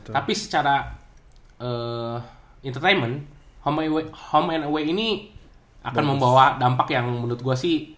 tapi secara entertainment home and away ini akan membawa dampak yang menurut gue sih